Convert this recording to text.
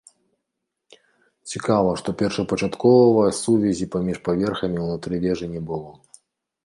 Цікава, што першапачаткова сувязі паміж паверхамі ўнутры вежы не было.